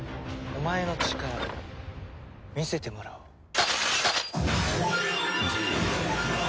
お前の力を見せてもらおう。